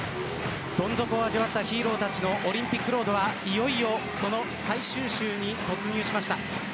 どん底を味わったヒーローたちのオリンピックロードはいよいよその最終週に突入しました。